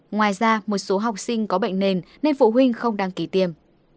ngoài ra một số học sinh có bệnh nền nên phụ huynh không đăng ký tiêm